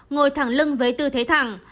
ngồi thẳng lưng với tư thế thẳng